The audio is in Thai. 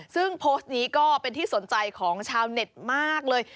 ซึ่งโพสต์นี้ก็เป็นที่สนใจของชาวเน็ตมากเลย